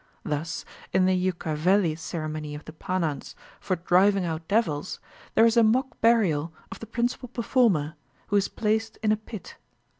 Thus, in the Ucchaveli ceremony of the Panans for driving out devils, there is a mock burial of the principal performer, who is placed in a pit.